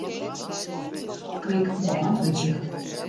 Klik Beäntwurdzje.